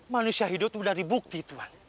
manusia hidup itu dari bukti tuhan